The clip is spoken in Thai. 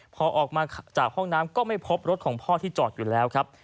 พอออกมาจากห้องน้ำก็ไม่พบรถของพ่อที่จอดอยู่แล้วครับ